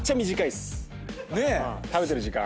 食べてる時間。